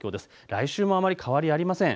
来週もあまり変わりはありません。